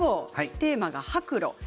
テーマが白露です。